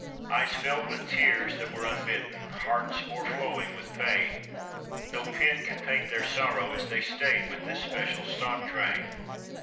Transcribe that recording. Eyes filled with tears that were unbidden, hearts o'erflowing with pain No pen can paint their sorrow as they stayed with this special stock train.